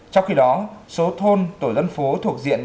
trong khi đó số thôn tổ dân phố thuộc diện